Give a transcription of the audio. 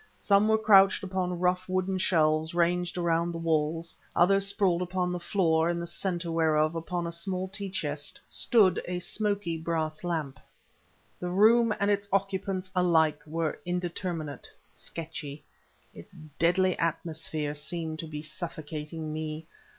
Some were couched upon rough wooden shelves ranged around the walls, others sprawled upon the floor, in the center whereof, upon a small tea chest, stood a smoky brass lamp. The room and its occupants alike were indeterminate, sketchy; its deadly atmosphere seemed to be suffocating me.